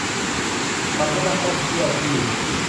ทำให้นักท่องเที่ยวที่